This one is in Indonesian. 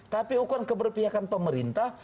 tapi ukuran keberpihakan pemerintah